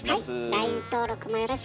ＬＩＮＥ登録もよろしく。